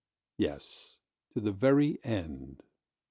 Yes, to the very end.